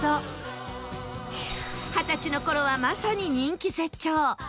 二十歳の頃はまさに人気絶頂